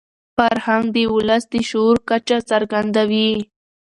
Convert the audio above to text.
فرهنګ د ولس د شعور کچه څرګندوي.